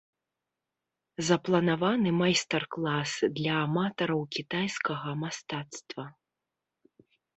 Запланаваны майстар-клас для аматараў кітайскага мастацтва.